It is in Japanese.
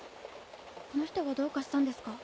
この人がどうかしたんですか？